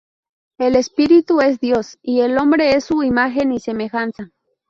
El Espíritu es Dios, y el hombre es Su imagen y semejanza.